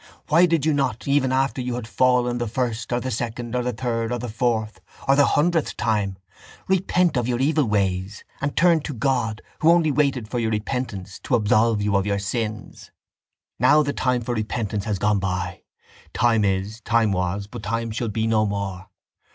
Why did you not, even after you had fallen the first or the second or the third or the fourth or the hundredth time, repent of your evil ways and turn to God who only waited for your repentance to absolve you of your sins? Now the time for repentance has gone by. Time is, time was, but time shall be no more!